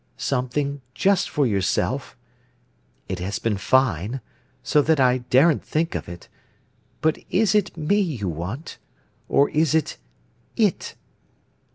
"Something just for yourself. It has been fine, so that I daren't think of it. But is it me you want, or is it _It?